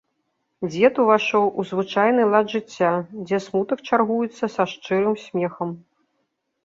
Дзед увайшоў у звычайны лад жыцця, дзе смутак чаргуецца са шчырым смехам.